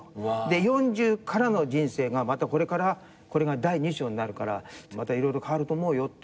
４０からの人生がまたこれからこれが第２章になるからまたいろいろ変わると思うよって